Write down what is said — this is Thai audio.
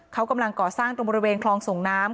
เขากำลังก่อสร้างตรงบริเวณคลองส่งน้ำ